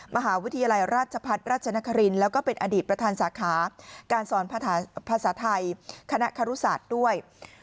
มหาวิทยาลัยราชพัฒน์ราชนครินแล้วก็เป็นอดีตประธานสาขาการสอนภาษาไทยคณะคารุศาสตร์ด้วย